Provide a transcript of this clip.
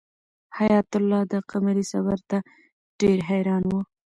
حیات الله د قمرۍ صبر ته ډېر حیران و.